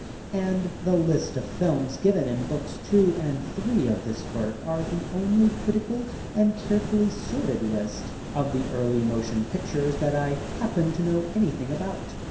And the lists of films given in books two and three of this work are the only critical and carefully sorted lists of the early motion pictures that I happen to know anything about.